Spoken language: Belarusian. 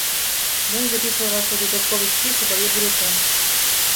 Ён запісвае вас у дадатковы спіс і дае бюлетэнь.